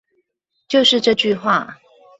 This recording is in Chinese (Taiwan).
就是這句話